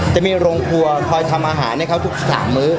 จะมีโรงครัวทำอาหารให้เค้าทุกสามมิ้ว